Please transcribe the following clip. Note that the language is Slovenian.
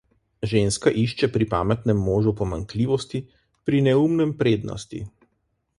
Ženska išče pri pametnem možu pomanjkljivost, pri neumnem prednosti.